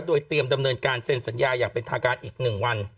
โดยเตรียมดำเนินการเซ็นสัญญาอย่างเป็นทางการอีก๑วัน